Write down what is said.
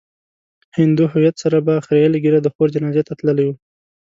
هندو هويت سره په خريلې ږيره د خور جنازې ته تللی و.